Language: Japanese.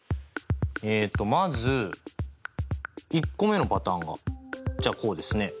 えっとまず１個目のパターンがじゃあこうですね。